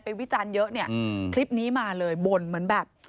วิจารณ์เยอะเนี่ยคลิปนี้มาเลยบ่นเหมือนแบบ